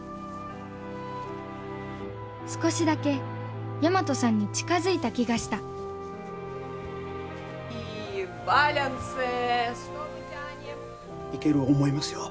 少しだけ大和さんに近づいた気がしたいける思いますよ。